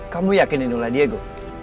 kamu yakin ini ulah diego